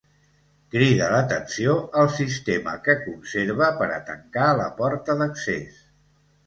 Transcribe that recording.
Crida l'atenció el sistema que conserva per a tancar la porta d'accés.